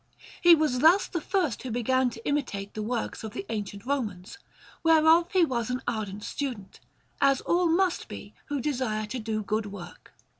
He was thus the first who began to imitate the works of the ancient Romans, whereof he was an ardent student, as all must be who desire to do good work.